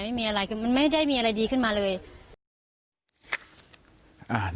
ไม่มีอะไรคือมันไม่ได้มีอะไรดีขึ้นมาเลย